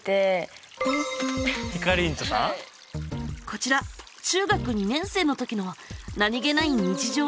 こちら中学２年生のときの何気ない日常を写した写真。